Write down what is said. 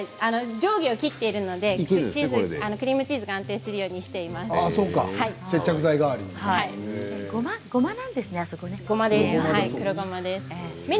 上下を切っているのでクリームチーズが安定するようにああそうか接着剤代わりに。